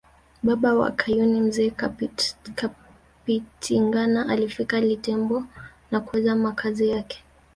Baba wa Kayuni Mzee Kapitingana alifika Litembo na kuweka makazi yake